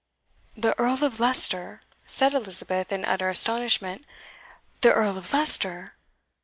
"The Earl of Leicester!" said Elizabeth, in utter astonishment. "The Earl of Leicester!"